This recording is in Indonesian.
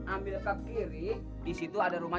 ambil ke kiri disitu ada rumah